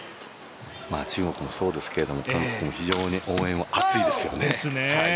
中国もそうですけれども韓国も非常に応援は熱いですよね。